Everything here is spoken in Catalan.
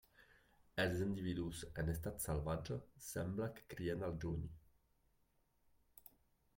Els individus en estat salvatge sembla que crien al juny.